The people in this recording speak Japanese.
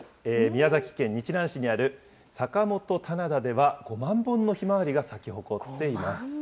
宮崎県日南市にある坂元棚田では、５万本のひまわりが咲き誇っています。